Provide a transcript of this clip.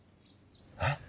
えっ？